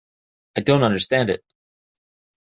I don't understand it.